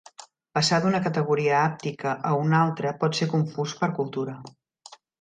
Passar d'una categoria hàptica a una altra pot ser confús per cultura.